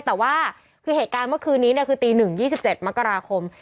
แต่ว่าเขุดเหตุการณ์เมื่อคืนนี้คือตี๑งงยี่สิบเจ็ดมักราคม